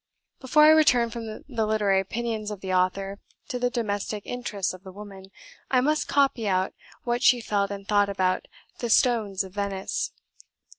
Before I return from the literary opinions of the author to the domestic interests of the woman, I must copy out what she felt and thought about "The Stones of Venice".